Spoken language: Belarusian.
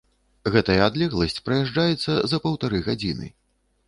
Гэтая адлегласць праязджаецца за паўтары гадзіны.